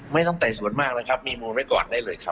ไม่ต้องไต่ส่วนมากมีมูลไปก่อนได้เลยครับ